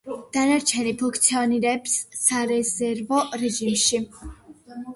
დანარჩენი ფუნქციონირებს სარეზერვო რეჟიმში.